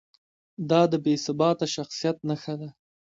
دا د بې ثباته شخصیت نښه ده.